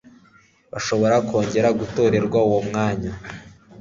Bashobora kongera gutorerwa uwo mwanya